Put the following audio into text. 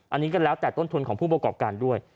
อันนี้ก็แล้วแต่ต้นทุนของผู้ประกอบการด้วย